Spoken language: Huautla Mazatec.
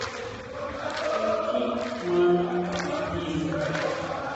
¿Ju tjín mani ixtiri?